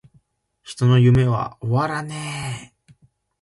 人の夢は!!!終わらねェ!!!!